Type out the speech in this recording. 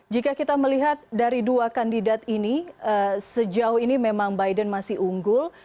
jika kita melihat dari dua kandidat ini sejauh ini memang biden masih unggul